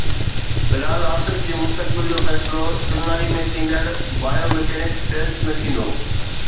بلال آصف جي مستقبل جو فيصلو چنائي ۾ ٿيندڙ بائيو ميڪينڪس ٽيسٽ ۾ ٿيندو